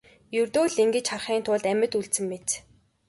Ердөө л ингэж харахын тулд амьд үлдсэн мэт.